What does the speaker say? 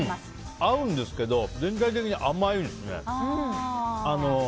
合うんですけど全体的に甘いですね。